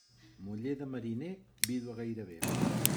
Muller de mariner, vídua gairebé.